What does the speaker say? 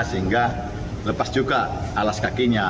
sehingga lepas juga alas kakinya